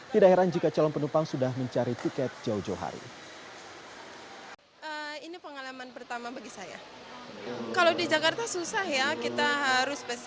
tidak heran jika calon penumpang sudah mencari tiket jauh jauh hari